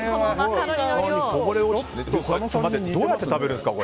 どうやって食べるんですか？